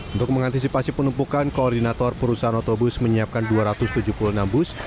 untuk mengantisipasi penumpukan koordinator perusahaan otobus menyiapkan dua ratus tujuh puluh enam bus